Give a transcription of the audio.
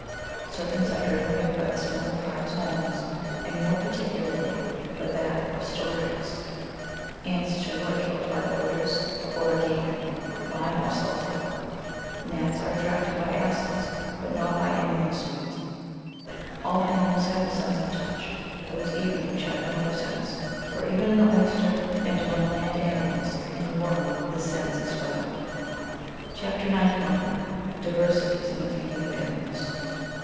Serpents are driven away by the smell of harts' horns, and more particularly by that of storax. Ants, too, are killed by the odours of origanum, lime, or sulphur. Gnats are attracted by acids, but not hj anything sweet. (71.) All animals have the sense of touch, those even which have no other sense ; for even in the oyster, and, among land animals, in the worm, this sense is found. CHAP. 91. DIVERSITIES IX THE FEEDING OF ANI:m:ALS.